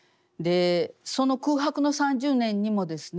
その空白の３０年にもですね